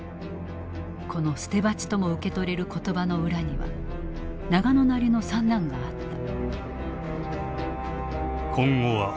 この捨てばちとも受け取れる言葉の裏には永野なりの算段があった。